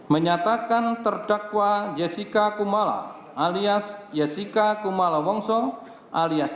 menyatakan terdakwa jessica kumala alias